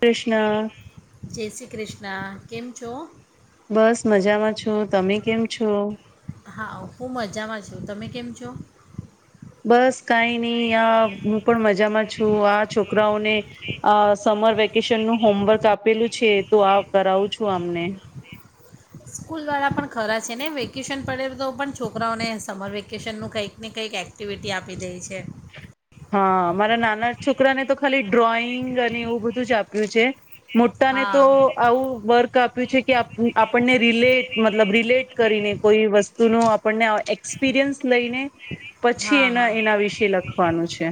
કૃષ્ણ કૃષ્ણા કેમ છો? બસ મજામાં છો. તમે કેમ છો? હા. હું મજામાં છું. તમે કેમ છો? બસ કઈ નહી આ હું પણ મજામાં છું આ છોકરાઓને આ સમર વેકેશનનું હોમવર્ક આપેલું છે તો આ કરાવું છું આમને. સ્કૂલવાળા પણ ખરા છે ને વેકેશન પડે તો પણ છોકરાઓને સમર વેકેશનનું કંઈક ને કંઈક એક્ટિવિટી આપી દે છે. હા મારા નાના છોકરાને તો ખાલી ડ્રોઈંગ અને એવું બધું જ આપ્યું છે. મોટાને હા તો આવું વર્ક આપે છે. આપુ આપ આપણને રિલેટ, મતલબ રિલેટ કરીને કોઈ વસ્તુનો આપણને એક્સપિરિયન્સ લઈને પ પછી હા એના હા એના વિશે લખવાનું છે.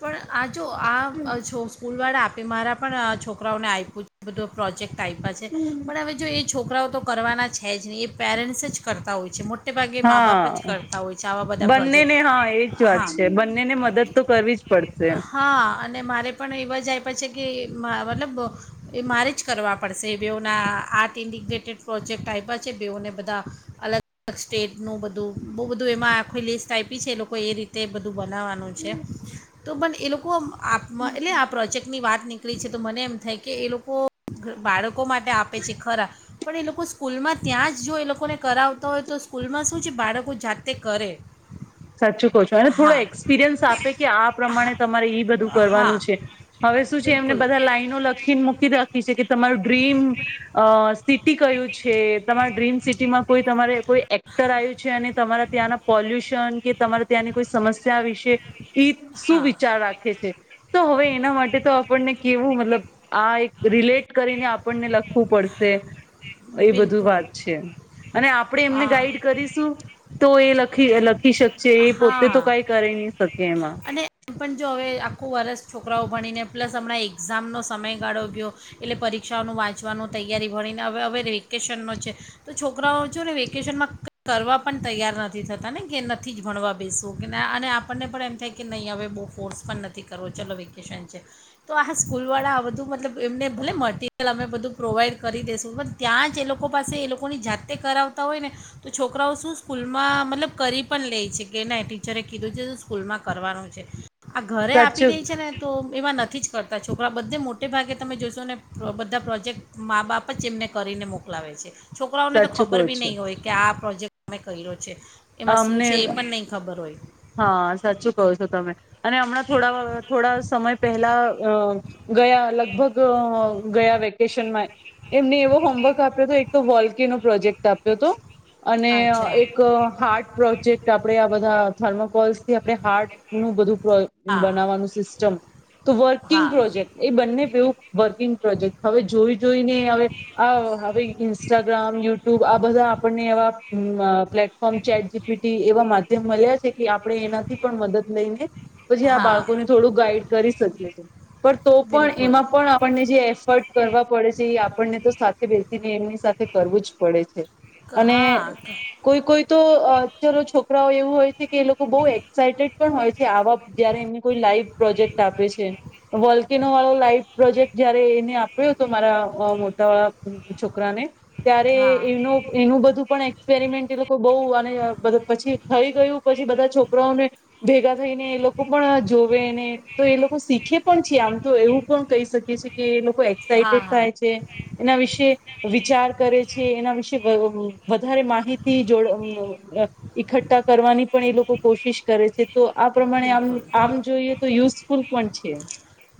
પણ આ જો, આ જો સ્કૂલ વાળ આપે, મારા પણ છોકરાઓને આયપુ છે બધું પ્રોજેક્ટ. ટાઇમપાસ છે. પણ હવે જો એ છોક છોકરાઓ તો કરવાના છે જ નહીં. એ પેરેન્ટ્સ જ કરતા હોય છે. મોટ મોટે ભાગે મા બાપ જ કરતા હોય છે. આવા બધા પ્રોજેક્ટ. ને હા, એજ વાત હા છે. બંનેને મદદ તો કરવી જ પડશે. હા અને મારે પણ એવા જ આપ્યા છે કે, મતલબ એ મારે જ કરવા પડશે બેવના આર્ટ ઇન્ડિગ્રેટેડ પ્રોજેક્ટ આયપા છે. બેવને બધા અલગ અલગ સ્ટેટનું બધું બો બધું એમાં આખી લિસ્ટ આયપી. છે. એ લોકો એ રીતે બધું બનાવવાનું છે.. તો, પણ એ લોકો આપમાં, એટલે આ પ્રોજેક્ટની વાત નીકળી છે. તો મને એમ થાય કે એ લોકો બાળકો માટે આપે છે ખરા, પણ એ લોકો સ્કૂલમાં ત્યાં જ જો એ લોકોને કરાવતા હોય તો સ્કૂલમાં શું છે બાળકો જાતે કરે. સાચું કહો છો. અને થોડો હા એક્સપિરિયન્સ આપે કે આ હા પ્રમાણે તમારે એ બધું હા કરવાનું છે. હવે શું છે એમને બિલકુલ બધા લાાઈનો લખીને મૂકી રાખી છે. કે તમારું ડ્રીમ સ કયુ છે? તમારા ડ્રીમ સિટીમાં કોઈ તમારે કોઈ એક્ટર આવ્યું છે. અને તમારા ત્યાંના પોલ્યુશન ત્યાંની કોઈ સમસ્યા વિશે? ઈ શું હા વિચાર રાખે છે? તો હવે એના માટે તો આપણને કેવું મતલબ આ એક રિલેટ કરીને આપણને લખવું પડશે, એ બધું બિલકુલ વાત છે. અને આપણે એમને હા ગાઈડ કરીશું તો એ લખી, લખી શકશે. એ પોતે તો હા કઈ કરી ની શકે એમાં. અને એમ પણ જો હવે આખું વરસ છોકરાઓ ભણીને, પ્લસ હણાં એક્ઝામનો સમય ગાળો ગયો. એટલે પરીક્ષાઓનું વાંચવાનું, તૈયારી ભણીને હવે હવે વેકેશનનો છે. તો છોકરાઓ છું ને વેકેશનમાં [inaudible] કરવા પણ તૈયાર નથી થતા ને કે. નથી જ ભણવા બેસવું કે અને આપણને પણ એમ થાય કે નહીં હવે બહુ ફર્સ પણ નથી કરવો ચલો વેકેશન છે. તો આ સ્કૂલવાળા આ બધું મતલબ એમને ભલે મટીરિયલ અમે બધું પ્રોવાઈડ કરી દઈશું. પણ ત્યાં જ એ લોકો પાસે એ લોકોની જાતે કરાવતા હોય ને તો છોકરાઓ શું સ્કૂલમાં મતલબ કરી પણ લે છે. કે ના ટીચરે કીધું છે સ્કૂલમાં કરવાનું છે. આ ઘરે આપી સાચું દે છે ને તો, એવા નથી જ કરતા છોકરા. બધે મોટે ભાગે તમે જોશો. ને બધા પ્રોજેક્ટ મા બાપ જ એમને કરીને મોકલાવે છે. છોકરાઓને તો સાચું ખબર કહો બી છો નહીં હોય કે આ પ્રોજેક્ટ તમે કર્યો છે. એમાં શું અમને છે. એ પણ નહીં ખબર હોય. હા, સાચું કહો છો તમે. અને હમણાં થોડા, થોડા સમય પહેલા, ગયા લગભગ અ ગયા વેકેશન માં એમને એવો હોમવર્ક આપ્યો તો, એક તો વોલ્કીનો પ્રોજેક્ટ આપ્યો તો અને અચ્છા એક હાર્ટ પ્રોજેક્ટ આપણે બધા થર્મોકોલસ થી આપણે હાર્ટ નું બધું વ અ હા બનાવવાનું સિસ્ટમ તો વર્કિંગ હા પ્રોજેક્ટ, એ બંને એવું વર્કિંગ પ્રોજેક્ટ હવે જોઈ જોઈને હવે આ હવે ઈન્સ્ટાગ્રામ, યુટુબ, આ બધા આપણને એવા પ્લેટફોર્મ ચેટ જીપીટી એવા માધ્યમ મળ્યા છે. કે આપણે એનાથી પણ મદદ લઈને પછી આ હા બાળકો ને થોડું ગાઈડ કરીશ. સત્ય છે. પણ તો પણ બિલકુલ એમાં પણ આપણને જે એફર્ટ કરવા પડે છે, એ આપણને તો સાથે બેસીને એમની સાથે કરવું જ પડે છે અને હા કોઈ કોઈ તો ચલો છોકરાઓ એવું હોય. છે કે એ લોકો બહુ એક્સાઈટેડ પણ હોય છે, આવા જયારે એમને કોઈ લાઈવ પ્રોજેક્ટ આપે છે. વલ્કેનો વાળો લાઈવ પ્રોજેક્ટ જયારે એને આપ્યો હતો, મારા મોટા વાળા છોકરાને ત્યારે હા એ એનું બધું પણ એક્સપેરિમેન્ટ એ લોકો બો [inaudible] બધું પછી થઈ ગયું. પછી બધા છોકરાઓને ભેગા થઈને, એ લોકો પણ જોવેને તો એ લોકો શીખે પણ છે. આમ તો એવું પણ કહી શકી છી કે એ લોકો હા એક્સાઈટેડ થાય હા છે એના વિશે વિચાર કરે છે એના વિશે [unintelligible] વધારે માહિતી જો અ અ નત ઈકઠ્ઠા કરવાની પણ એ લોકો કોશિશ કરે છે. તો આ પ્રમાણે આમ બિલકુલ આમ જોઈએ તો, યુઝ સ્કૂલ પણ છે.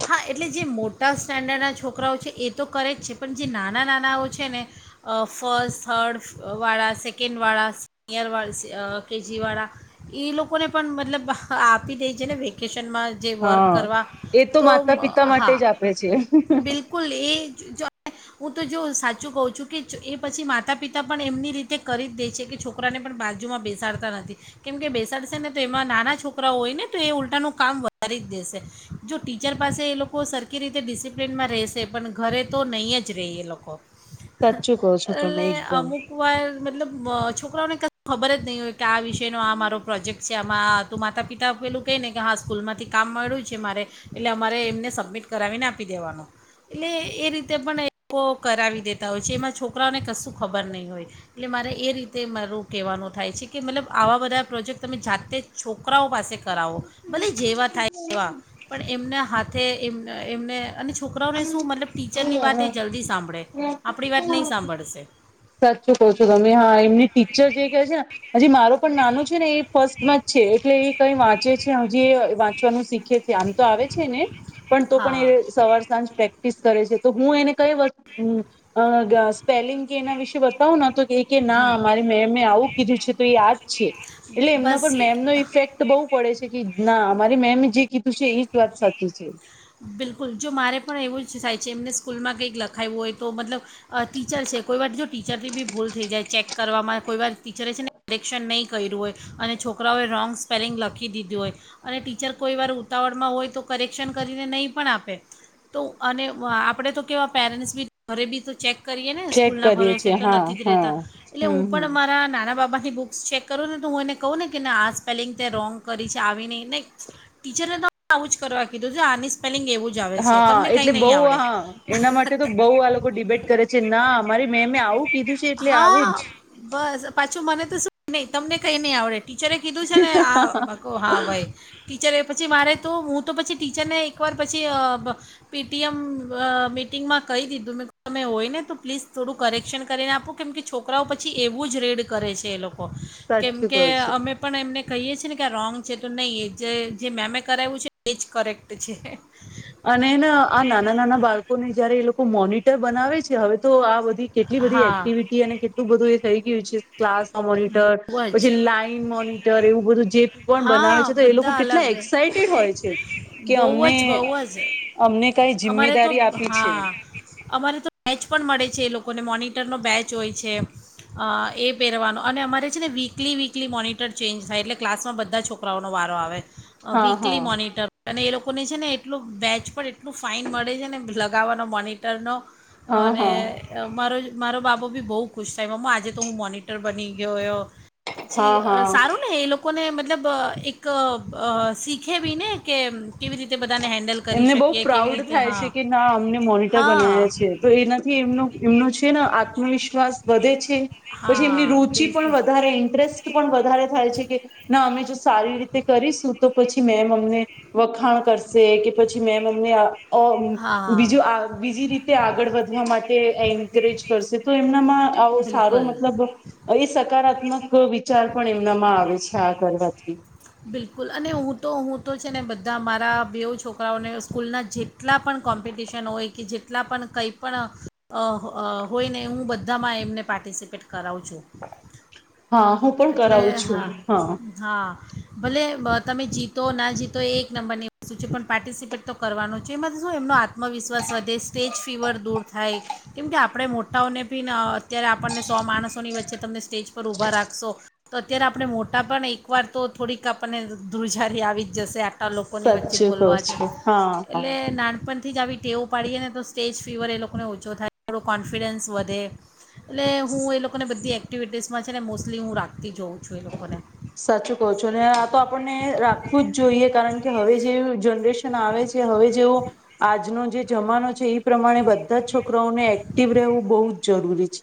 હા એટલે જે મોટા સ્ટાન્ડર્ડના છોકરાઓ છે, એ તો કરે જ છે પણ જે નાના નાનાઓ છે ને ફર્સ્ટ, થર્ડ વાળા, સેકન્ડ વાળા, સિનિયર વા, કેજી વાળા એ લોકોને પણ મતલબ આપી દે છે ને વેકેશન વેકેશનમાં જે વર્ક હા કરવા એ તો માતા પિતા માટે હા જ આપે છે માતા પિતા માટે જ આપે છે. બિલકુલ એ જો હું તો જો સાચું કહું છું કે એ પછી માતા પિતા પણ એમની રીતે કરી જ દે છે, કે છોકરાને પણ બાજુમાં બેસાડતા નથી કેમકે બેસાડશે ને તો એમાં નાના છોકરાઓ હોય ને, તો એ ઉલટાનું કામ વધારી જ દેશે. જો ટીચર પાસે એ લોકો સરખી રીતે ડિસિપ્લિનમાં રહેશે પણ ઘરે તો નહીં જ રહે એ લોકો. સાચું કહો છો તમે એટલે એકદમ અમુક વાર મતલબ અમ છોકરાઓને કય ખબર જ નય હોય કે, આ વિષય નો આ મારો પ્રોજેક્ટ છે, આમાં તો માતા પિતા પેલું કેય ને કે હા સ્કૂલ માંથી કામ મળ્યું છે. મારે એટલે અમારે એમને સબમિટ કરાવીને આપી દેવાનો એટલે એ રીતે પણ એ લોકો કરાવી દેતા હોય છે. એમાં છોકરાઓને કશું ખબર નહીં હોય એટલે મારે એ રીતે મારું કેવાનું થાય છે, કે મતલબ આવા બધા પ્રોજેક્ટ તમે જાતે છોકરાઓ પાસે કરાવો. ભલે જેવા થાય તેવા પણ એમના હાથે એમ એમને અને છોકરાઓને શું મતલબ ટીચરની વાત એ જલ્દી સાંભળે આપણી વાત નહીં સાંભળશે. સાચું કહો છો તમે હા એમની ટીચર જે કહે છે ને હજી મારો પણ નાનો છે ને એ ફર્સ્ટ માં જ છે એટલે એ કઈ વાંચે છે, હજી વાંચવાનું શીખે છે. આમ તો આવે છે ને. પણ તો પણ હા એ સવાર સાંજ પ્રસ કરે છે. તો હું એને કઈ વસ્તુ ઉમ્મ અ‌ ગ સ્પેલિંગ એના વિશે બતાવું તો ના હમ મારી મેમે આવું કીધું છે. તો એ આજ છે. એટલે એમના બસ પર એ- મેમનો ઇફેક્ટ બહુ પડે છે. કે ના અમારી મેમે જે કીધું છે. એજ વાત સાચું છે. બિલકુલ જો મારે પણ એવું જ થાય છે. એમને સ્કૂલમાં કંઈક લખાવું હોય તો મતલબ ટીચર છે. કોઈવાર જો ટીચરથી બી ભૂલ થઈ જાય ચેક કરવામાં કોઈવાર ટીચરે છે. ને કરેક્શન નહીં કર્યું હોય અને છોકરાઓએ રોંગ સ્પેલિંગ લખી દીધું હોય અને ટીચર કોઈ વાર ઉતાવળમાં હોય તો કરેક્શન કરીને પણ આપે તો અને આપણે તો અનેવા પેરેન્ટ્સ બી ઘરે બી તો ચેક કરીએ ને ચેક સ્કૂલના કરીએ ભરોસે છીએ તો હા નથી જ હા રહેતા એટલે હમ હું હમ પણ મારા નાના બાબા થી બુક્સ ચેક કરું ને તો હું એને કહું ને કેને આ સ્પેલિંગ તે રોંગ કરી છે. આવી નહીં ને ટીચરને તો આવું જ કરવા કીધું છે. આની સ્પેલિંગ એવું જ આવે છે હા તમને કંઈ એટલે બઉ નહીં આવડે હા એના માટે તો બઉ આ લોકો ડિબેટ કરે છે. ના મારી મેમે આવું કીધું છે એટલે આવું જ હા બસ પાછું મને તો શું. ની તમને કંઈ નહી આવડે. ટીચરે કીધું છે ને આ બાકો હા ભાઈ. ટીચર એ પછી મારે તો હું તો પછી અબ ટીચરને એકવાર પછી પેટીએમ મીટિંગમાં કહી દીધું મેં તમે હોય ને તો પ્લીઝ થોડું કરેક્શન કરીને આપું કેમ કે છોકરાઓ પછી એવું જ રેડ કરે છે. સાચું કેમકે કહું છું અમે પણ એમને કહીએ છીએ ને. ક રોંગ છે તો નહી એ જે જે મેમે કરાવું છે એજ કરેક્ટ છે. અને ન નાના નાના બાળકોને જયારે એ લોકો મોન બનાવે છે હવે તો આ બધું. કેટલી બધી હા એક્ટિવિટી અને કેટલું બધું એ. થઈ ગયું છે. ક્લાસ મોનટર બહુ જ પછી લાઈન મોનટર એવું બધું જે પણ બનાવે છે. હા તો એ લોકો બધા કેટલા અલગ એક્સાઈટેડ હોય છે. કે બહુ અમને જ બહુ અમને કઈ અમારે તો જિમ્મેદારી આપી છે હા અમારે તો મેચ પણ મળે છે. એ લોકોને મોનિટરનો બેચ હોય છે અ. પહેરવાનો અને અમારે છે ને વીકલી વીકલી મોનિટર ચેન્જ થાય એટલે ક્લાસમાં બધા છોકરાઓનો વારો આવે. અ હા હા વીકલી મોનિટર અને લોકોને છે ને એટલું બેચ પર એટલું ફાઇન મળે છે. ને લગાવાનો મોનિટરનો. હા હા અને મારો. મારો બાબુ બી બહુ ખુશ થાય મામમા આજે તો હું મો ટર બની ગયોયો. હા ચી હા સારું ને એ લો લોકોને મતલબ‌ અ એક અ શીખે બીને કે કેવી રીતે. બધાને હેન્ડલ કરી એમને બહુ શકીએ કેવી પ્રાઉડ રીતે થાય છે. હા કે ના અમને મોનિટર હા બનાવ્યા છે. તો એનાથી એમનો એમનો છે ન આત્મવિશ્વાસ વધે છે. પછી એમની હા રુચિ પણ બિલકુલ વધારે ઇન્ટરેસ્ટ પણ મારે થાય છે કે, ના અમે સારી રીતે કરીશું તો પછી મેમ અમને વખાણ કરશે કે. પછી મેમ અમને બીજું હા બીજી રીતે આગળ વધવા માટે એન્કરેજ કરશે, તો એમનામાં આવો સારો બિલકુલ મતલબ એ સકારાત્મક કહો વિચાર પણ એમનામાં આવે છે આ કરવાથી બિલકુલ અને હું તો હું તો છે ને બધા મારા બે છોકરાઓને સ્કૂલના જેટલા પણ કોમ્પિટિશન હોય કે જેટલા પણ કંઈ પણ, હોય ને હું બધામાં એમને પાર્ટિસિપેટ કરું. કરાવુ છું. હા હું પણ એટલે કરાવું છું હા હા ભલે. તમે જીતો ના જીતો એ એક નંબરની વસ્તુ છે પણ પાર્ટિસિપેટ તો કરવાનો છે એમાંથી શું એમનો આત્મવિશ્વાસ વધે. સ્ટેજ ફીવર દૂર થાય, કેમ કે આપણે મોટાઓને બી અત્યારે આપણને સો માણસોની વચ્ચે તમને સ્ટેજ પર ઊભા રાખ. તો અત્યારે આપણે મોટા પણ એક વાર તો થોડીક આપણને ધૂુજારી આવી જ જશે. લોકોની વચ્ચે સાચું કહો બોલવા જ, છો હા એટલે હા નાનપણથી. નથી જ આવી ટેવું પાડીએ ને તો સ્ટેજ ફીવર એ લોકોને ઓછો થાય, થોડો કોન્ફિડન્સ વધે. એટલે હું એ લોકો ને બધી. એક્ટિટીસમાં છે ને. એટલી હું રાખતી જોઉં છું એ લોકોને. સાચું કહો છો અને આ તો આપણને રાખવું જ જોઈએ કારણ કે હવે જે. જનરેશન આવે છે હવે જેવો, આજનો. જે જમાનો છે એ. પ્રમાણે બધા જ છોકરાઓને એક્ટિવ રહેવું બહુ જ. જરૂરી છે.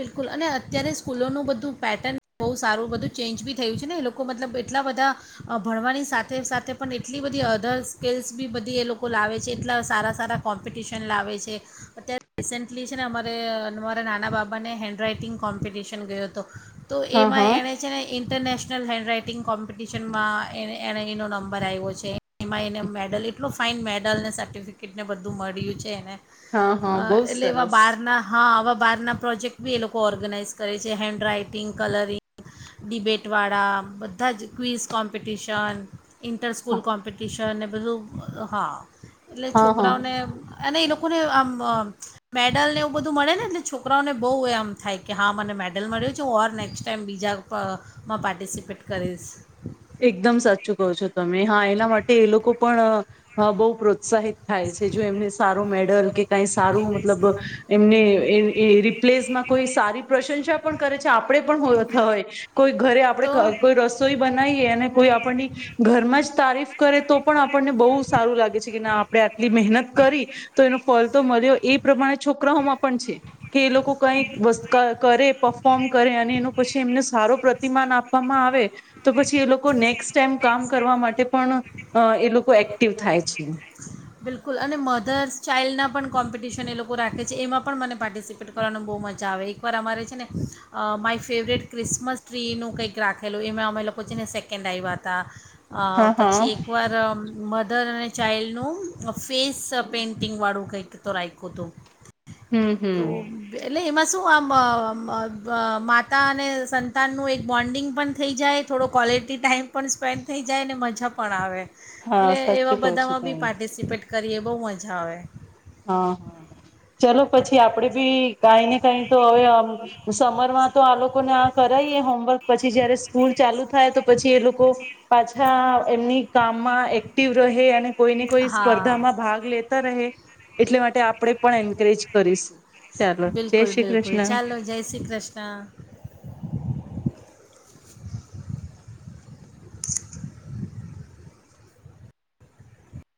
બિલકુલ, અને અત્યારે સ્કૂલોનું બધું પેટર્ન બહુ સારું બધું ચેન્જ બી થયું છે ને એ લોકો મતલબ એટલા બધા, ભણવાની સાથે સાથે પણ એટલી બધી અધર સ્કીલ્સ બી બધી એ લોકો લાવે છે એટલા સારા સારા કોમ્પિટિશન લાવે છે, અત્યારે રિસેન્ટલી છે ને અમારેમારા નાના બાબા. મને હેન્ડ રાઈટિંગ કોમ્પિટિશન ગયો હતો. તો હા એમાં હા એણે છેને. ઇન્ટરનેશનલ હેન્ડ રાઈટિંગ કોમ્પિટિશનમાં એનો નંબર આવ્યો છે. એમાં એને મેડલ એટલું. ફાઇન મેડલને સર્ટિફિકેટને બધું મળ્યું છે એને. હા હા અ બહુ એટલે એવા સરસ. બાર ના હા આવા. બારનાં. પ્રોજેક્ટ બી એ લોકો ઓર્ગનાઇઝ કરે છે હેન્ડ રાઈટિંગ, કલરિંગ, ડિબેટવાળા બધા જ ક્વિઝ કોમ્પિટિશન. ઇન્ટર સ્કૂલ હા કોમ્પિટિશન. અને બધું હા. એટલે હા હા છોકરાઓને અને એ લોકોને આમ. મેડલ ને એવું બધું મળે ને એટલે છોકરી છોકરાઓને બહુ એમ થાય કે હા મને મેડલ મળ્યું છે. હર નેક્સ્ટ ટાઈમ બીજામાં પાર્ટિસિપેટ કરીશ. એકદમ સાચું કહો છો તમે હા એના માટે એ લોકો પણ બૌ ઉત્સાહિત થાય છે. જો એમને સારો મેડલ કઈ સારું મતલબ એમને એમ રિપ્લેસમાં કોઈ સારી પ્રશંસા પણ કરે છે. આપણે પણ હોય કોઈ ઘરે આપ તો કોઈ રસોઈ બ કે કોઈ આપણ ઘરમાં જ તારીફ કરે તો પણ આપણને બહુ સારું લાગે છે કે ના આપણેે મહેનત કરી તો એ પલતો મર્યો એ પ્રમાણે છોકરાઓમાં પણ છે. કે એ લોકો કઈ વ કરે ફોર્મ કરે અને એનો પછી એમને સારો પ્રતિમાન આપવામાં આવે. તો પછી એ લોકો નેક્સ્ટ ટાઈમ કામ કરવા માટે પણ એ લોકો એક્ટિવ થાય છે. બિલકુલ અને મધર્સ ચાઇલ્ડના પણ કોમ્પિટિશન એ લોકો રાખે છે. એમાં પણ મને પાર્ટિસિપેટ કરવાનું બહુ મજા આવે એકવાર અમારે છે ને માય ફેવરેટ ક્રિસમસ ટ્રીનું કંઈક રાખેલું એમાં અમે લોકો છે ને સેકન્ડ આવ્યા હતા. અ હા હા પછી એકવાર મધર અને ચાઇલ્ડનું ફેસ પેન્ટિંગ વાળું કઈક તો રાખ્યું તું હમ તો એટલે એમાં શું આમ અ અ માતા અને સંતાનનું એક બોન્ડિંગ પણ થઈ જાય થોડો ક્વૉલિટી ટાઈમ પણ સ્પેન્ડ થઈ જાય અને મજા પણ આવે. હા સાચી કોઉ છો તમે પારિટિસિપેટ કરીએ બહુ મજા આવે. હા ચલો પછી આપડે બી કઈ ને કઈ તો હવે સમરમાં તો આ લોકોને આ કરાવએ હોમવર્ક પછી જયારે સ્કૂલ ચાલુ થાય તો પછી એ લોકો પાછા એમની કામમાં એક્ટિવ રહે અને કોઈને કોઈ હા સ્પર્ધામાં ભાગ લેતા રહે એટલે માટે આપણેે પણ એન્કરેજ કરીશું. ચાલો જય બિલકુલ શ્રી બિલકુલ કૃષ્ણ ચાલો જય શ્રી કૃષ્ણ.